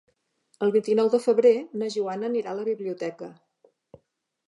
El vint-i-nou de febrer na Joana anirà a la biblioteca.